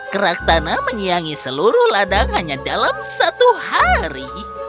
krakthana menyiangi seluruh ladang hanya dalam satu hari